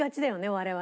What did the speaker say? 我々。